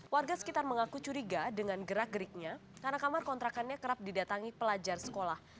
warga sekitar mengaku curiga dengan gerak geriknya karena kamar kontrakannya kerap didatangi pelajar sekolah